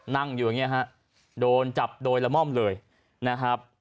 นั่งอยู่อย่างนี้ฮะโดนจับโดยละม่อมเลยนะครับ